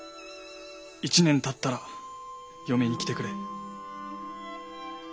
１年たったら嫁に来てくれ。